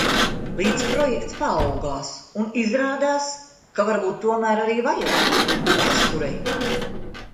Līdz projekts paaugās, un, izrādās, ka varbūt tomēr arī vajag. Vēsturei.